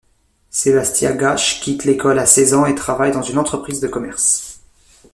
Sebastià Gasch quitte l'école à seize ans et travaille dans une entreprise de commerce.